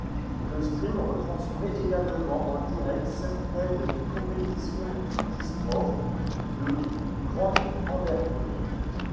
LeStream retransmet également en direct certaines compétitions d'eSport de grande envergure.